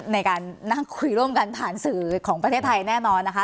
ในการนั่งคุยร่วมกันผ่านสื่อของประเทศไทยแน่นอนนะคะ